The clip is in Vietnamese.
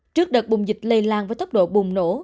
trước đợt bùng dịch lây lan với tốc độ bùng nổ